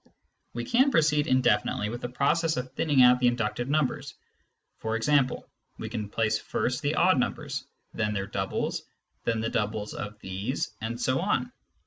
We can proceed indefinitely with the process of thinning out the inductive numbers. For example, we can place first the odd numbers, then their doubles, then the doubles of these, and so on.